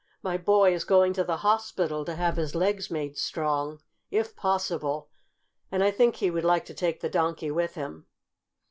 "My boy is going to the hospital to have his legs made strong, if possible, and I think he would like to take the Donkey with him."